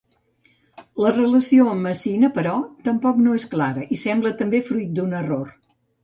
La relació amb Messina, però, tampoc no és clara i sembla també fruit d'un error.